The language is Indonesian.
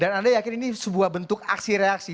anda yakin ini sebuah bentuk aksi reaksi